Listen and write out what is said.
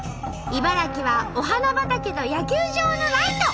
茨城はお花畑と野球場のライト。